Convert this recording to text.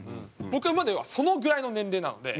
僕はまだそのぐらいの年齢なので。